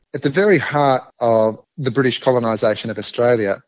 di tengah tengah kolonisasi british di australia